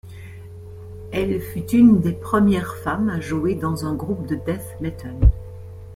Elle fut une des premières femmes à jouer dans un groupe de death metal.